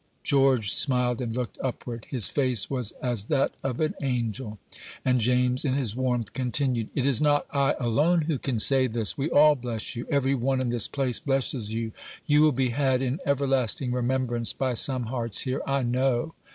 George smiled, and looked upward; "his face was as that of an angel;" and James, in his warmth, continued, "It is not I alone who can say this; we all bless you; every one in this place blesses you; you will be had in everlasting remembrance by some hearts here, I know."